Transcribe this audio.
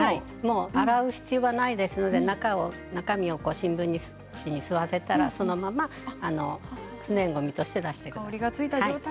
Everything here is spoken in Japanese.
洗う必要はないですので中身を新聞紙に吸わせたらそのまま不燃ごみとして出してください。